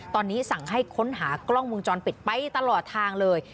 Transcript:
ตอนนี้สั่งให้ค้นหากล้องมุมจรปิดไปตลอดทางเลย